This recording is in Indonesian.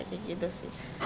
kayak gitu sih